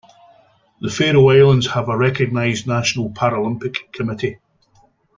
The Faroe Islands have a recognised National Paralympic Committee.